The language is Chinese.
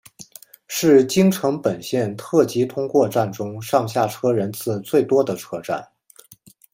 是京成本线特急通过站中上下车人次最多的车站。